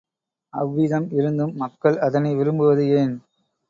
அவ்விதம் இருந்தும் மக்கள் அதனை விரும்புவது ஏன்?